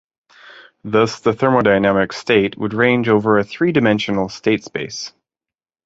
Thus the thermodynamic state would range over a three-dimensional state space.